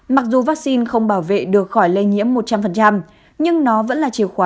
mặc dù vaccine không bảo vệ được khỏi lây nhiễm một trăm linh nhưng nó vẫn là chìa khóa